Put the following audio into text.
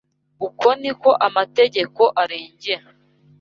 Uko ni ko amategeko arengera